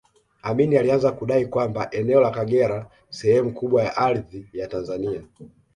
Amin alianza kudai kwamba eneo la Kagera sehemu kubwa ya ardhi ya Tanzania